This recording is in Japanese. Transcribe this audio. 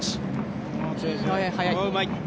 うまい。